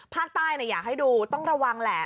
อยากให้ดูต้องระวังแหละ